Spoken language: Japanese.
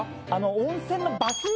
温泉の。